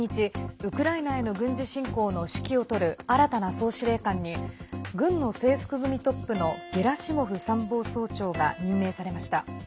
ウクライナへの軍事侵攻の指揮を執る新たな総司令官に軍の制服組トップのゲラシモフ参謀総長が任命されました。